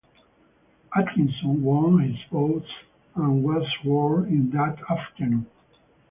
Atkinson won this vote and was sworn-in that afternoon.